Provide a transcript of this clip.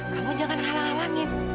kamu jangan alang alangin